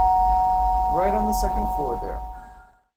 Right on the second floor there.